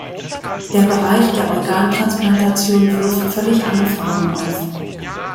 Der Bereich der Organtransplantation wirft völlig andere Fragen auf.